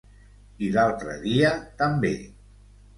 I l'altre dia, també.